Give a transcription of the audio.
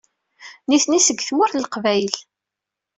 Nitni seg Tmurt n Leqbayel.